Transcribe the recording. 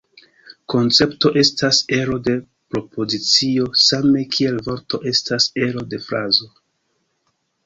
Koncepto estas ero de propozicio same kiel vorto estas ero de frazo.